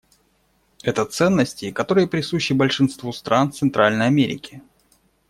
Это ценности, которые присущи большинству стран Центральной Америки.